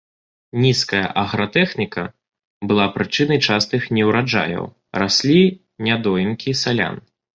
Нізкая агратэхніка была прычынай частых неўраджаяў, раслі нядоімкі сялян.